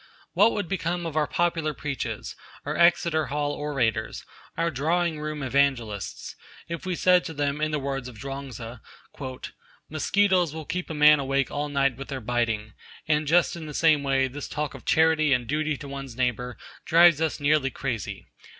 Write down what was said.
What would become of our popular preachers, our Exeter Hall orators, our drawing room evangelists, if we said to them, in the words of Chuang Tzu, 'Mosquitoes will keep a man awake all night with their biting, and just in the same way this talk of charity and duty to one's neighbour drives us nearly crazy.